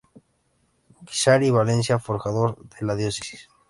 Guízar y Valencia, forjador de la diócesis.